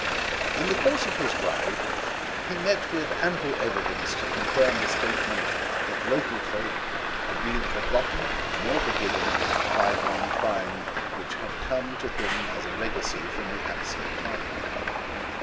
In the course of his ride he met with ample evidence to confirm the statement that local folk had neither forgotten nor forgiven the bygone crime which had come to him as a legacy from the absent Tom.